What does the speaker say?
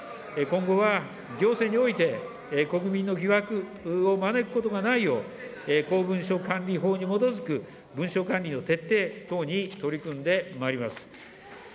今後は行政において、国民の疑惑を招くことがないよう、公文書管理法に基づく文書管理の徹底等に取り組んでまいります。